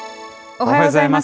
おはようございます。